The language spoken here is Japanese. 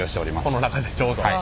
この中でちょうど。